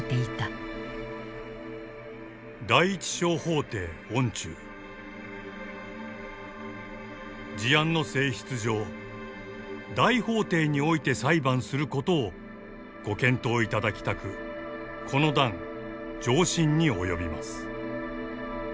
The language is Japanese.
「第一小法廷御中事案の性質上大法廷において裁判することを御検討いただきたくこの段上申に及びます」。